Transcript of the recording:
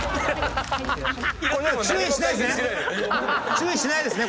注意してないですね？